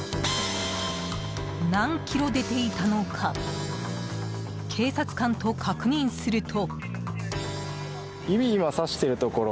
何キロ出ていたのか警察官と確認すると。